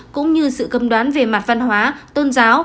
cũng như sự cân đoán về mặt văn hóa tôn giáo